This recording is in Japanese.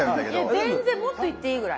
いや全然もっといっていいぐらい。